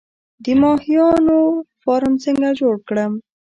د ماهیانو فارم څنګه جوړ کړم؟